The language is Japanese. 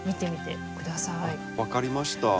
分かりました。